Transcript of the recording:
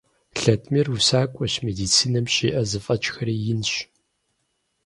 Латмир усакӀуэщ, медицинэм щиӀэ зэфӀэкӀхэри инщ.